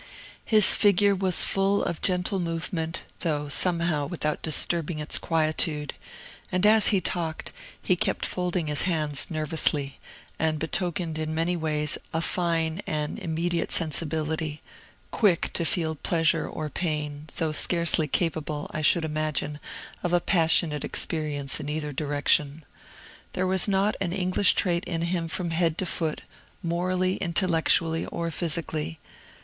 His figure was full of gentle movement, though, somehow, without disturbing its quietude; and as he talked, he kept folding his hands nervously, and betokened in many ways a fine and immediate sensibility, quick to feel pleasure or pain, though scarcely capable, I should imagine, of a passionate experience in either direction. There was not am English trait in him from head to foot, morally, intellectually, or physically.